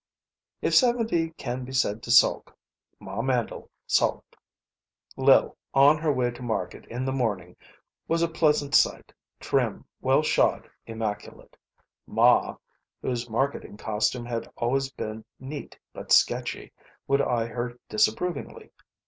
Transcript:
If seventy can be said to sulk, Ma Mandle sulked. Lil, on her way to market in the morning, was a pleasant sight, trim, well shod, immaculate. Ma, whose marketing costume had always been neat but sketchy, would eye her disapprovingly.